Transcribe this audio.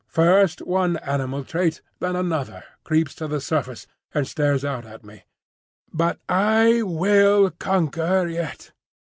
First one animal trait, then another, creeps to the surface and stares out at me. But I will conquer yet!